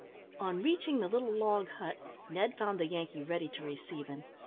On reaching the little log hut, Ned found the Yankee ready to receive him.